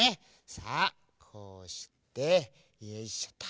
さあこうしてよいしょと。